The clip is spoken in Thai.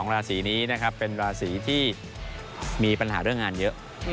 ราศีนี้นะครับเป็นราศีที่มีปัญหาเรื่องงานเยอะ